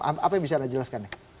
apa yang bisa anda jelaskan ya